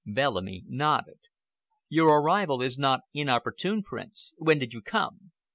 Bellamy nodded. "Your arrival is not inopportune, Prince. When did you come?"